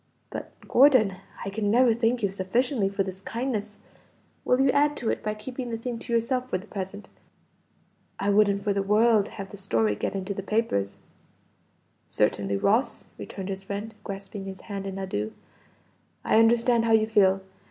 But Gordon, I can never thank you sufficiently for this kindness; will you add to it by keeping the thing to yourself for the present? I wouldn't for the world have the story get into the papers." "Certainly, Ross!" returned his friend, grasping his hand in adieu. "I understand how you feel.